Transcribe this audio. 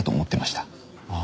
ああ。